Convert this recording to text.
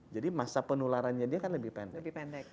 jadi masa penularannya dia kan lebih pendek